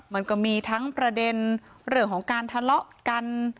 มันก็มีทั้งประเด็นเรื่องของการทะเลาะกัน